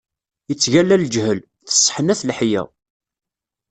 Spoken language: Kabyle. Ittgalla leǧhel, tesseḥnat leḥya.